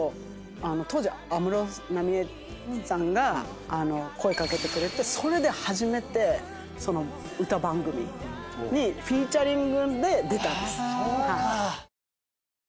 当時安室奈美恵さんが声掛けてくれてそれで初めて歌番組にフィーチャリングで出たんです。